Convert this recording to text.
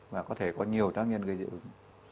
và có thể có nhiều tác nhân gây dị ứng